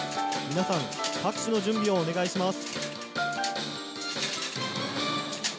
皆さん拍手の準備をお願いします。